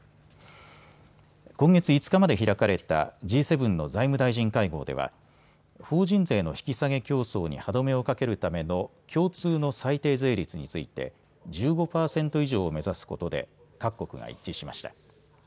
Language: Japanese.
今月５日まで開かれたＧ７の財務大臣会合では法人税の引き下げ競争に歯止めをかけるための共通の最低税率について１５％以上を目指すことで各国が一致しました。